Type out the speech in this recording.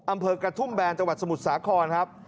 อำเภอกระทุ่มแบนจังหวัดสมุทรสาครครับ